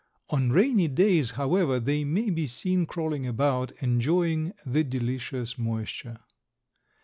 On rainy days, however, they may be seen crawling about, enjoying the delicious moisture.